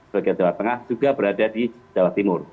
bagian jawa tengah juga berada di jawa timur